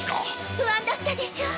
不安だったでしょう！